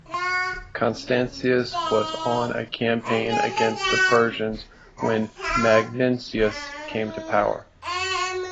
Constantius was on a campaign against the Persians when Magnentius came to power.